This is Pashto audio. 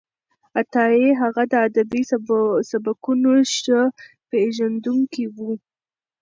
عطايي هغه د ادبي سبکونو ښه پېژندونکی و.